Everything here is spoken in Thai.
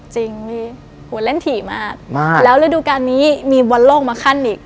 จริงมีหัวเล่นถี่มากแล้วฤดูการนี้มีบอลโลกมาขั้นอีก